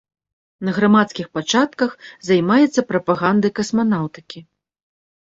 На грамадскіх пачатках займаецца прапагандай касманаўтыкі.